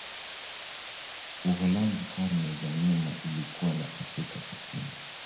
Uholanzi karne za nyuma ilikuwa na Afrika Kusini.